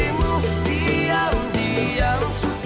diri mukti yang diam suka padatmu